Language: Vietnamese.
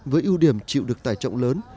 với ưu điểm chịu được tài trọng lớn